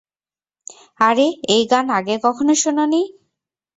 আরে, এই গান আগে কখনো শোনোনি?